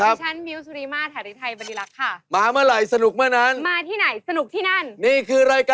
และซีสันมันดูน่าสนุกนั่นแหละรถมหาสนุกมันไม่ใช่รถตุ๊กตุ๊กมันไม่ใช่รถประทุก